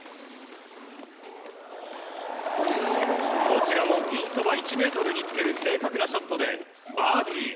こちらもピンそば１ｍにつける正確なショットで、バーディー。